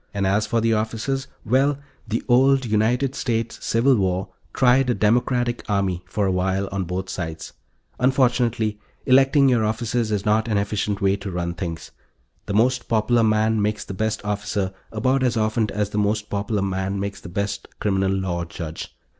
And as for the officers well, the old United States Civil War tried a democratic army for a while, on both sides. Unfortunately, electing your officers is not an efficient way to run things. The most popular man makes the best officer about as often as the most popular man makes the best criminal law judge.